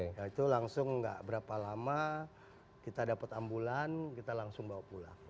nah itu langsung nggak berapa lama kita dapat ambulan kita langsung bawa pulang